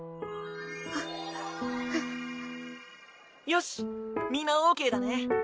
よしみんなオーケーだね。